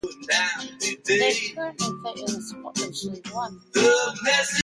They currently play in the Scottish League One.